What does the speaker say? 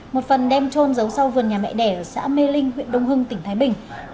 một phần đem trôn giấu sau vườn nhà mẹ đẻ ở xã mê linh huyện đông hưng tỉnh thái bình